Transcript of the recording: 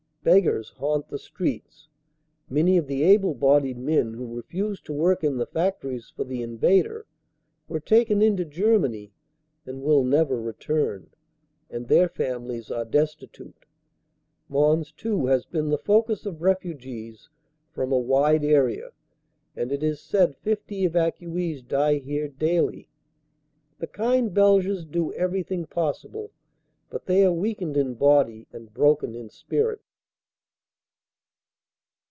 Beggars haunt the streets. Many of the able bodied men, who refused to work in the factories for the invader, were taken into Ger many and will never return, and their families are destitute. Mons, too, has been the focus of refugees from a wide area and it is said 50 evacuees die here daily. The kind Beiges do everything possible, but they are weakened in body and broken in spirit.